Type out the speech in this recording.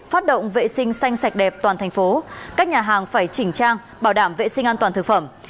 phát động vệ sinh xanh sạch đẹp toàn thành phố các nhà hàng phải chỉnh trang bảo đảm vệ sinh an toàn thực phẩm